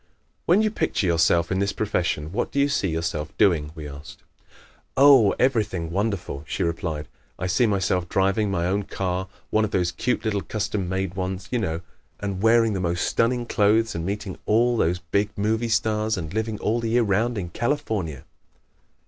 "When you picture yourself in this profession what do you see yourself doing?" we asked. "Oh, everything wonderful," she replied. "I see myself driving my own car one of those cute little custom made ones, you know and wearing the most stunning clothes and meeting all those big movie stars and living all the year round in California!"